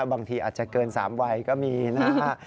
บางทีอาจจะเกิน๓วัยก็มีนะฮะ